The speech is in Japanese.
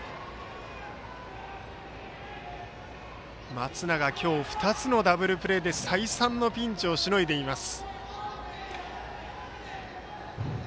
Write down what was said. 松永、今日２つのダブルプレーで採算のピンチをしのいでいます。